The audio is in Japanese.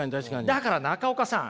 だから中岡さん